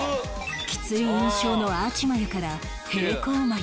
きつい印象のアーチ眉から平行眉に